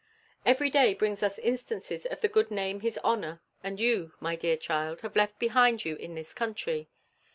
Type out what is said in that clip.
Every day brings us instances of the good name his honour and you, my dear child, have left behind you in this country.